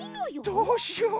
どうしよう。